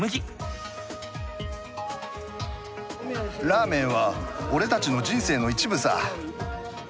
ラーメンは俺たちの人生の一部さ。